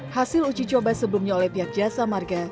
hasil uji coba sebelumnya oleh pihak jasa marga